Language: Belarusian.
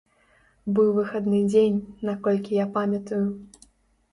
Быў выхадны дзень, наколькі я памятаю.